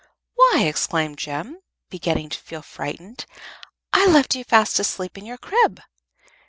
"Why," exclaimed Jem, beginning to feel frightened, "I left you fast asleep in your crib."